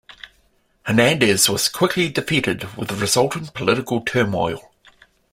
Hernandez was quickly defeated, with resultant political turmoil.